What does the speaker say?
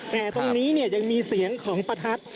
แต่ตรงนี้เนี่ยยังมีเสียงของประทัด